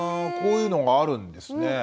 こういうのがあるんですね。